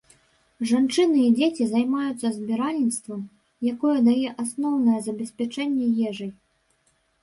Жанчыны і дзеці займаюцца збіральніцтвам, якое дае асноўнае забеспячэнне ежай.